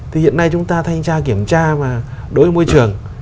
thì hiện nay chúng ta thanh tra kiểm tra mà đối với môi trường